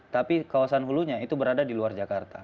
tapi kawasan hulunya itu berada di luar jakarta